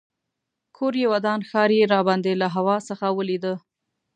کور یې ودان ښار یې راباندې له هوا څخه ولیده.